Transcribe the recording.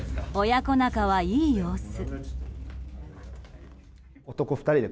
親子仲はいい様子。